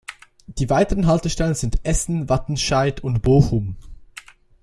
Die weiteren Haltestellen sind Essen, Wattenscheid und Bochum.